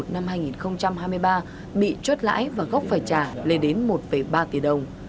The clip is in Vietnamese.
năm hai nghìn hai mươi ba bị chốt lãi và gốc phải trả lên đến một ba tỷ đồng